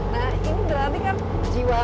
nah ini berarti kan jiwa